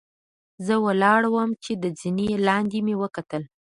زۀ ولاړ ووم چې د زنې لاندې مې وکتل